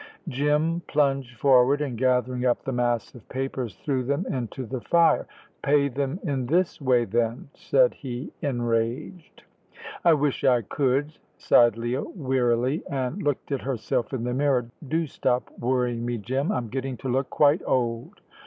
Jim plunged forward, and, gathering up the mass of papers, threw them into the fire. "Pay them in this way, then," said he, enraged. "I wish I could," sighed Leah, wearily, and looked at herself in the mirror. "Do stop worrying me, Jim. I'm getting to look quite old.